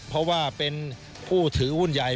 เพราะว่าเป็นผู้ถือหุ้นใหญ่